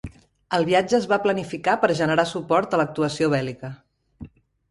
El viatge es va planificar per generar suport a l'actuació bèl·lica.